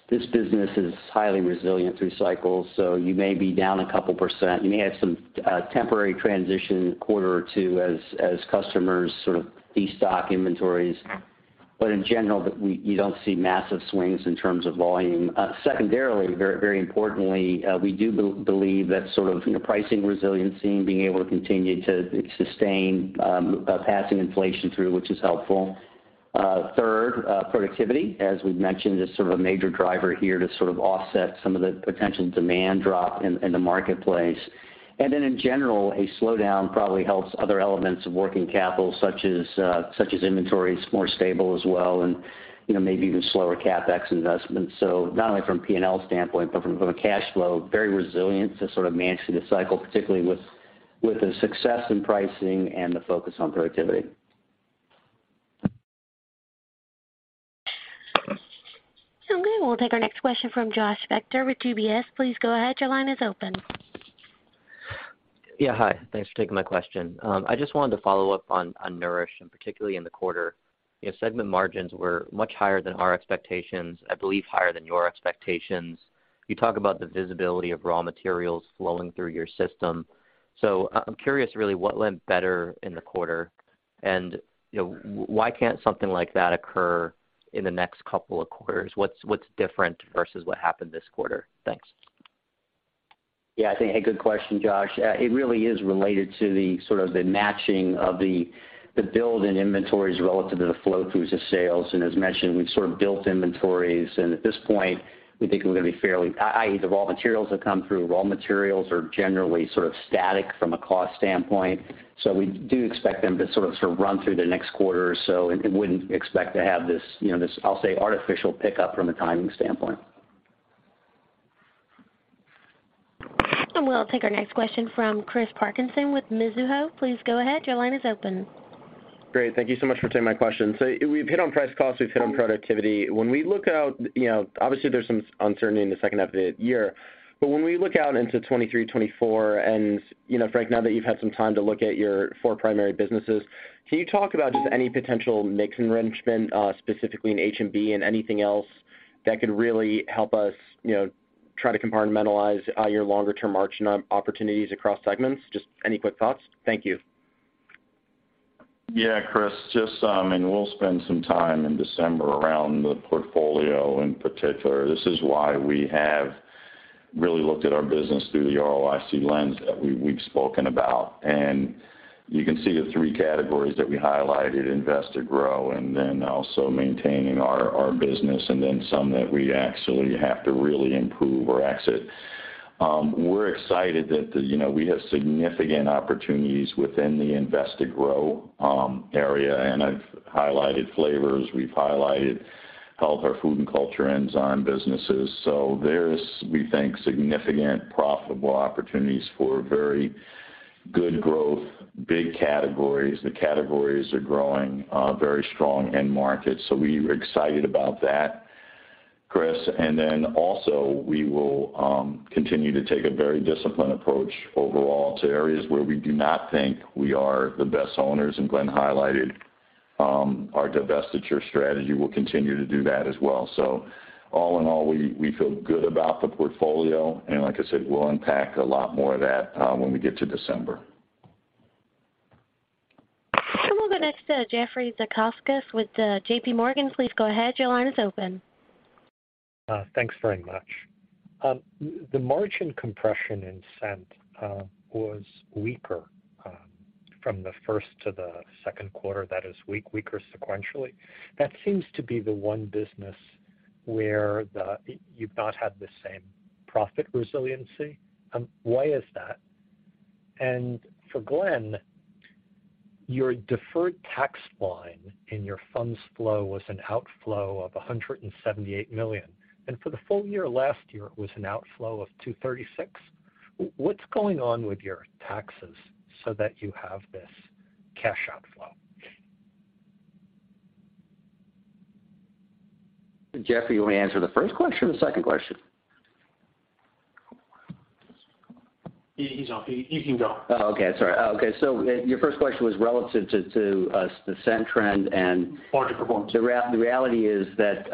Speaker 4: this business is highly resilient through cycles, so you may be down a couple%. You may have some temporary transition quarter or two as customers sort of destock inventories. In general, you don't see massive swings in terms of volume. Secondarily, very, very importantly, we do believe that sort of, you know, pricing resiliency and being able to continue to sustain passing inflation through, which is helpful. Third, productivity, as we've mentioned, is sort of a major driver here to sort of offset some of the potential demand drop in the marketplace. In general, a slowdown probably helps other elements of working capital, such as inventories more stable as well and, you know, maybe even slower CapEx investments. Not only from P&L standpoint, but from a cash flow, very resilient to sort of manage through the cycle, particularly with the success in pricing and the focus on productivity.
Speaker 1: Okay, we'll take our next question from Joshua Spector with UBS. Please go ahead. Your line is open.
Speaker 13: Yeah, hi. Thanks for taking my question. I just wanted to follow up on Nourish, and particularly in the quarter. You know, segment margins were much higher than our expectations, I believe higher than your expectations. You talk about the visibility of raw materials flowing through your system. I'm curious really what went better in the quarter and, you know, why can't something like that occur in the next couple of quarters? What's different versus what happened this quarter? Thanks.
Speaker 4: Yeah, I think a good question, Josh. It really is related to the sort of matching of the build in inventories relative to the flow through to sales. As mentioned, we've sort of built inventories, and at this point, we think we're gonna be fairly, ideally, the raw materials that come through are generally sort of static from a cost standpoint. We do expect them to sort of run through the next quarter or so and wouldn't expect to have this, you know, this, I'll say, artificial pickup from a timing standpoint.
Speaker 1: We'll take our next question from Chris Parkinson with Mizuho. Please go ahead. Your line is open.
Speaker 14: Great. Thank you so much for taking my question. We've hit on price cost, we've hit on productivity. When we look out, you know, obviously there's some uncertainty in the second half of the year. When we look out into 2023, 2024 and, you know, Frank, now that you've had some time to look at your four primary businesses, can you talk about just any potential mix enrichment, specifically in H&B and anything else that could really help us, you know, try to compartmentalize your longer term margin opportunities across segments? Just any quick thoughts? Thank you.
Speaker 3: Yeah, Chris, we'll spend some time in December around the portfolio in particular. This is why we have really looked at our business through the ROIC lens that we've spoken about. You can see the three categories that we highlighted, invest to grow and then also maintaining our business and then some that we actually have to really improve or exit. We're excited that, you know, we have significant opportunities within the invest to grow area. I've highlighted flavors. We've highlighted Health, our Food & Culture Enzyme businesses. There's, we think, significant profitable opportunities for very good growth, big categories. The categories are growing very strong end markets. We're excited about that, Chris. We will continue to take a very disciplined approach overall to areas where we do not think we are the best owners, and Glenn highlighted our divestiture strategy. We'll continue to do that as well. All in all, we feel good about the portfolio and like I said, we'll unpack a lot more of that when we get to December.
Speaker 1: We'll go next to Jeffrey Zekauskas with JPMorgan. Please go ahead. Your line is open.
Speaker 15: Thanks very much. The margin compression in Scent was weaker from the first to the second quarter. That is weaker sequentially. That seems to be the one business where you've not had the same profit resiliency. Why is that? For Glenn, your deferred tax line in your funds flow was an outflow of $178 million. For the full year last year, it was an outflow of $236 million. What's going on with your taxes so that you have this cash outflow?
Speaker 4: Jeffrey, you want me to answer the first question or the second question?
Speaker 15: He's on. He can go.
Speaker 4: Your first question was relative to the Scent trend and.
Speaker 15: Margin performance.
Speaker 4: The reality is that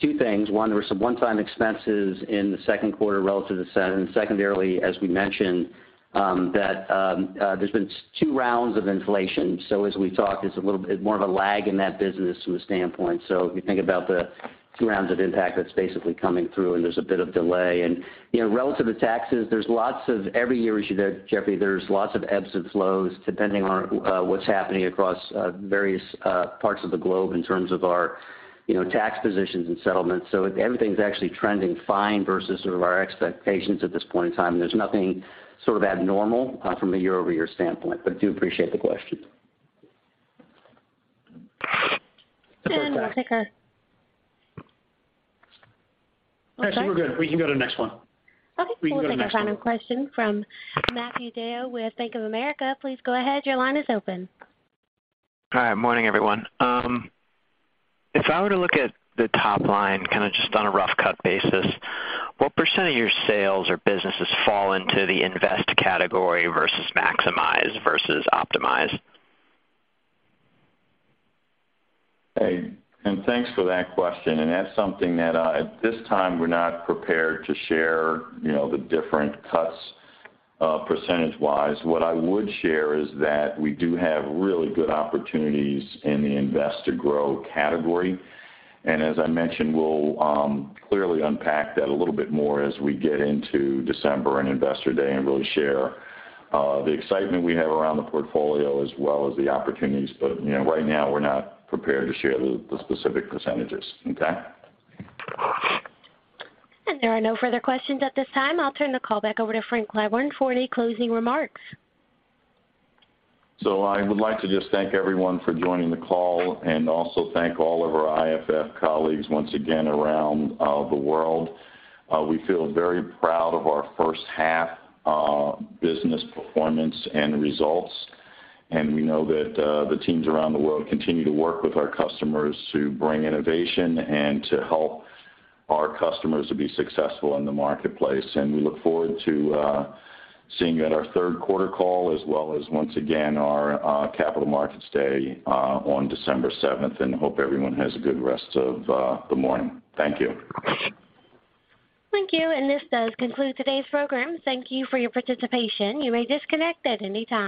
Speaker 4: two things. One, there were some one-time expenses in the second quarter relative to Scent. Secondarily, as we mentioned, that there's been two rounds of inflation. As we talk, there's a little bit more of a lag in that business from a standpoint. If you think about the two rounds of impact, that's basically coming through and there's a bit of delay. You know, relative to taxes, there's lots of every year issue there, Jeffrey. There's lots of ebbs and flows, depending on what's happening across various parts of the globe in terms of our tax positions and settlements. Everything's actually trending fine versus sort of our expectations at this point in time. There's nothing sort of abnormal from a year-over-year standpoint. I do appreciate the question.
Speaker 1: We'll take our.
Speaker 15: Actually, we're good. We can go to the next one.
Speaker 1: Okay. We'll take our final question from Matthew DeYoe with Bank of America. Please go ahead. Your line is open.
Speaker 16: Hi. Morning, everyone. If I were to look at the top line, kinda just on a rough cut basis, what percent of your sales or businesses fall into the invest category versus maximize versus optimize?
Speaker 3: Hey, thanks for that question. That's something that at this time we're not prepared to share, you know, the different cuts percentage-wise. What I would share is that we do have really good opportunities in the invest to grow category. As I mentioned, we'll clearly unpack that a little bit more as we get into December and Investor Day and really share the excitement we have around the portfolio as well as the opportunities. You know, right now we're not prepared to share the specific percentages. Okay?
Speaker 1: There are no further questions at this time. I'll turn the call back over to Frank Clyburn for any closing remarks.
Speaker 3: I would like to just thank everyone for joining the call and also thank all of our IFF colleagues once again around the world. We feel very proud of our first half business performance and results, and we know that the teams around the world continue to work with our customers to bring innovation and to help our customers to be successful in the marketplace. We look forward to seeing you at our third quarter call, as well as once again our Capital Markets Day on December seventh. Hope everyone has a good rest of the morning. Thank you.
Speaker 1: Thank you. This does conclude today's program. Thank you for your participation. You may disconnect at any time.